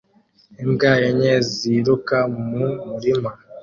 Imbwa enye ziruka mu murima